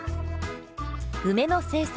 梅の生産